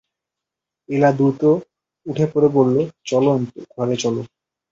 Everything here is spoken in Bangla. এলা দ্রুত উঠে পড়ে বললে, চলো অন্তু, ঘরে চলো।